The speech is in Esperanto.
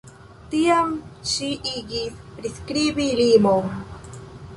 Tiam ŝi igis priskribi limon.